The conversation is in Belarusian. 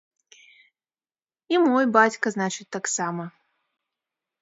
І мой бацька, значыць, таксама.